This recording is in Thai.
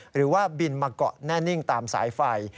หรือว่าบินมาเกาะแน่นิ่งตามสายไฟ